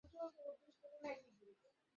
পুরো ব্যাপারটা সত্যি।